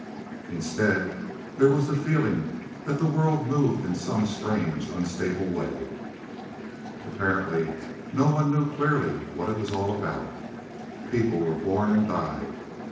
Instead there was the feeling that the world moved in some strange, unstable way. Apparently no one knew clearly what it was all about. People were born and died.